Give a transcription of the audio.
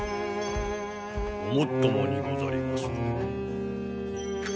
ごもっともにござりまする。